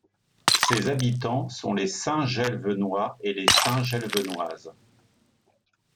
Ses habitants sont les Saintgelvenois et les Saintgelvenoises.